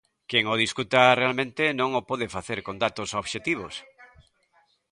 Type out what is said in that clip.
Quen o discuta, realmente, non o pode facer con datos obxectivos.